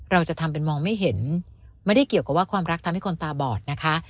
เราจะทำเป็นมองไม่เห็นไม่ได้เกี่ยวกับว่าความรักทำให้คนตาบอดนะคะ